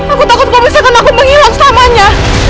aku takut kau bisa kena aku menghilang selamanya